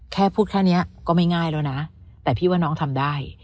แค่พูดแค่นี้ก็ไม่ง่ายแล้วนะแต่พี่ว่าน้องทำได้